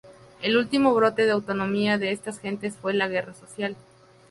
El último brote de autonomía de estas gentes fue la guerra social.